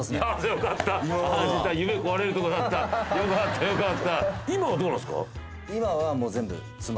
よかったよかった。